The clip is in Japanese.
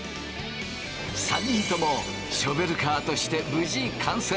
３人ともショベルカーとして無事完成。